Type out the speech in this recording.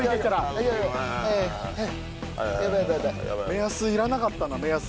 目安いらなかったな目安。